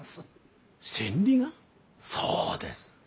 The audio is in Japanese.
そうです。